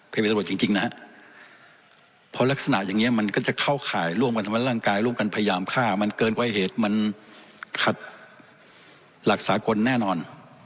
เพราะลักษณะอย่างเนี้ยมันก็จะเข้าข่ายร่วมกันทำร่างกายร่วมกันพยายามค่ามันเกินไว้เหตุมันคัดหลักษากลแน่นอน